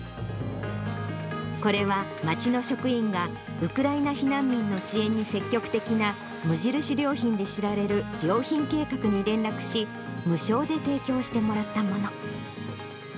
これは町の職員が、ウクライナ避難民の支援に積極的な無印良品で知られる良品計画に連絡し、無償で提供してもらったもの。